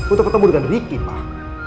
untuk ketemu dengan riki mah